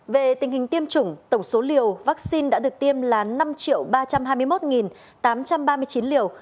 về tình hình tiêm chủng tổng số liều vaccine đã được tiêm là năm ba trăm hai mươi một tám trăm ba mươi chín liều